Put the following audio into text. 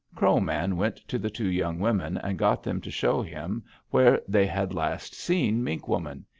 "Crow Man went to the two young women and got them to show him where they had last seen Mink Woman.